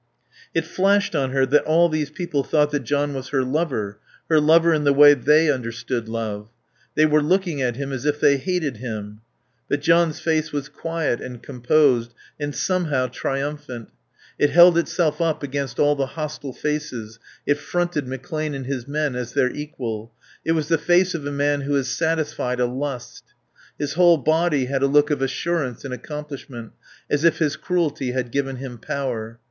It flashed on her that all these people thought that John was her lover, her lover in the way they understood love. They were looking at him as if they hated him. But John's face was quiet and composed and somehow triumphant; it held itself up against all the hostile faces; it fronted McClane and his men as their equal; it was the face of a man who has satisfied a lust. His whole body had a look of assurance and accomplishment, as if his cruelty had given him power.